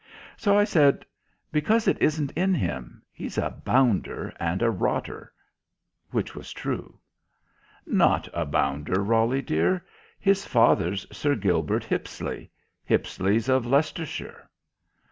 So I said, "Because it isn't in him. He's a bounder and a rotter." Which was true. "Not a bounder, Roly dear. His father's Sir Gilbert Hippisley. Hippisleys of Leicestershire."